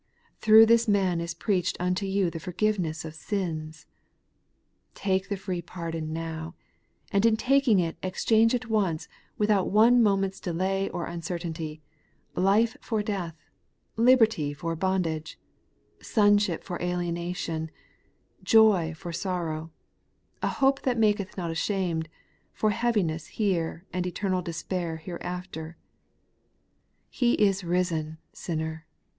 Through this man is preached unto you the forgiveness of sins ! Take the free pardon now ; and in taking it, ex change at once, without one moment's delay or uncertainty, life for death, liberty for bondage, son ship for alienation, joy for sorrow, — a hope that maketh not ashamed, for heaviness here and eternal despair hereafter. He is risen, sinner.